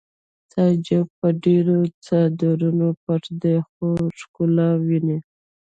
تعجب په ډېرو څادرونو پټ دی خو ښکلا ویني